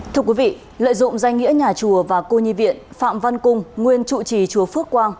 thưa quý vị lợi dụng danh nghĩa nhà chùa và cô nhi viện phạm văn cung nguyên trụ trì chùa phước quang